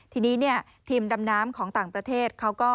ทีนี้ทีมดำน้ำของต่างประเทศเขาก็